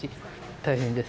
大変です。